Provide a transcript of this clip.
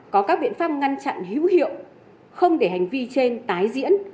có các biện pháp ngăn chặn hữu hiệu không để hành vi trên tái diễn